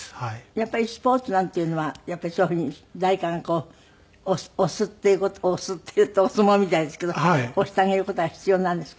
やっぱりスポーツなんていうのはそういう風に誰かがこう押すっていう事「押す」って言うとお相撲みたいですけど押してあげる事が必要なんですか。